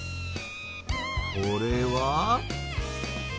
これは？